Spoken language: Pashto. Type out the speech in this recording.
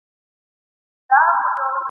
د شهپر او د خپل ځان په تماشا سو !.